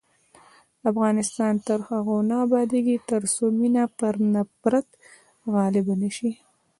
افغانستان تر هغو نه ابادیږي، ترڅو مینه پر نفرت غالبه نشي.